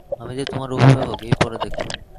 আমি যে তোমার অভিভাবক — এই পড়ে দেখো।